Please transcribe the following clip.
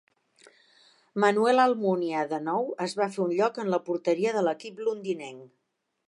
Manuel Almunia, de nou, es va fer un lloc en la porteria de l'equip londinenc.